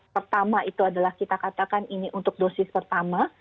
pertama itu adalah kita katakan ini untuk dosis pertama